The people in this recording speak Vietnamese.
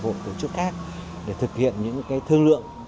các hiệp hội tổ chức khác để thực hiện những cái thương lượng